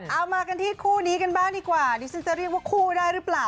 เอามากันที่คู่นี้กันบ้างดีกว่าดิฉันจะเรียกว่าคู่ได้หรือเปล่า